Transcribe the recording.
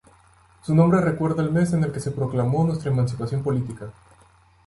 Su nombre recuerda al mes en el que se proclamó nuestra emancipación política".